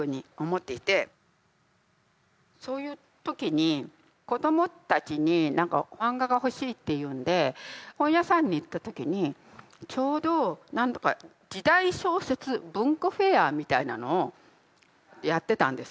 そういう時に子どもたちに何か漫画が欲しいって言うんで本屋さんに行った時にちょうど何だか時代小説文庫フェアみたいなのをやってたんですよ。